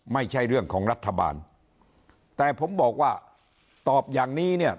ไม่ใช่เรื่องของรัฐบาลแต่ผมบอกว่าตอบอย่างนี้เนี่ย